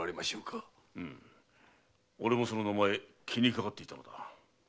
うむ俺もその名前気にかかっていたのだ。